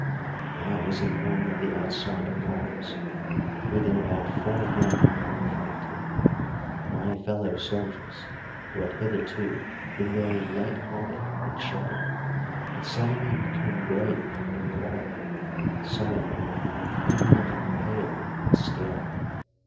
I was in one of the outside columns, within about four men from the front. My fellow soldiers, who had hitherto been very light hearted and chatty, had suddenly become grave and quiet, some of them even looking pale and scared.